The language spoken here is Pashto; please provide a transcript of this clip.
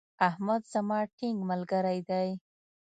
احمد زما ټينګ ملګری دی.